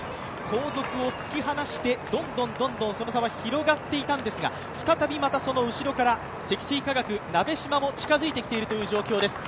後続を突き放して、どんどんその差は広がっていたんですが再びその後ろから積水化学鍋島も近づいてきている状況です。